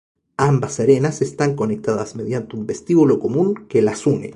Ambas arenas están conectadas mediante un vestíbulo común que las une.